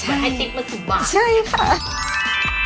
เหมือนไอ้ติ๊กมาสิบบาทใช่ค่ะ